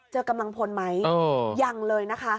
กำลังพลไหมยังเลยนะคะ